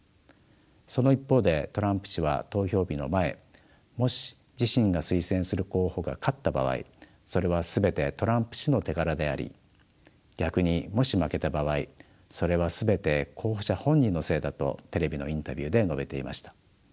その一方でトランプ氏は投票日の前もし自身が推薦する候補が勝った場合それは全てトランプ氏の手柄であり逆にもし負けた場合それは全て候補者本人のせいだとテレビのインタビューで述べていました。